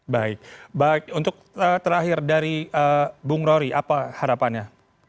baik untuk terakhir dari bung rory apa harapannya